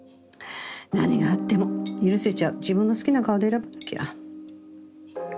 何があっても許せちゃう自分の好きな顔で選ばなきゃ。